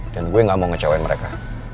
dan gue gak mau ngecewain mereka